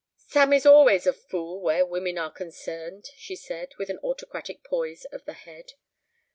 "Sam is always a fool where women are concerned," she said, with an autocratic poise of the head.